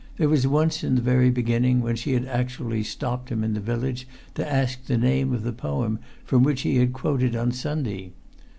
There was once in the very beginning, when she had actually stopped him in the village to ask the name of the poem from which he had quoted on Sunday.